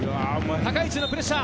高い位置のプレッシャー。